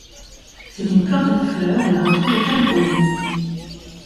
C’est une plante à fleurs, on la retrouve au Cameroun.